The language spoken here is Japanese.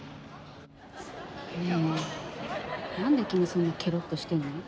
ねえ何で君そんなけろっとしてんの？